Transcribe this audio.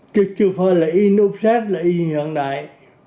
chứ chưa phải là in offset là in hiện đại